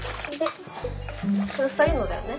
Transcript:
これ２人のだよね？